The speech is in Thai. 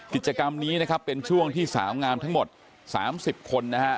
กิจกรรมนี้นะครับเป็นช่วงที่สาวงามทั้งหมด๓๐คนนะฮะ